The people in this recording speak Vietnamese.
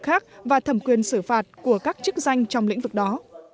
khác và thẩm quyền xử phạt của các chức danh trong lĩnh vực đó